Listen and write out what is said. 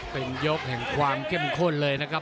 เป็นยกแห่งความเข้มข้นเลยนะครับ